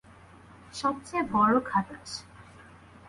সবচেয়ে বড়ো খাটাশ।